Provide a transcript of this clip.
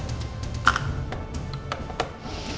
tunggu sebentar ya pak